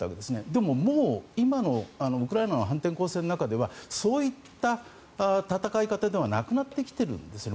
でも、もう今のウクライナの反転攻勢の中ではそういった戦い方ではなくなってきているんですよね。